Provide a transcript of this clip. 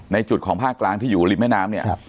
จุดของภาคกลางที่อยู่ริมแม่น้ำเนี่ย